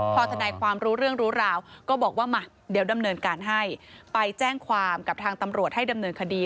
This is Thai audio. พอทนายความรู้เรื่องรู้ราวก็บอกว่ามาเดี๋ยวดำเนินการให้ไปแจ้งความกับทางตำรวจให้ดำเนินคดี